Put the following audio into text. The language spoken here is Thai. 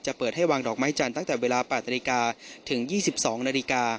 จะเปิดให้วางดอกไม้จันทร์ตั้งแต่เวลา๘นรถึง๒๒นร